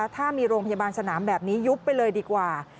ถ้ามีโรงพยาบาลสนามแบบนี้ยุบไปเลยดีกว่า